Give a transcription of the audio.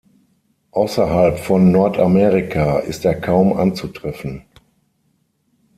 Außerhalb von Nordamerika ist er kaum anzutreffen.